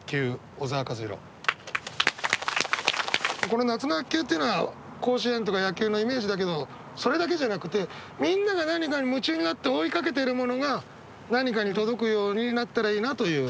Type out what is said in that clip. この「夏の白球」っていうのは甲子園とか野球のイメージだけどそれだけじゃなくてみんなが何かに夢中になって追いかけているものが何かに届くようになったらいいなという。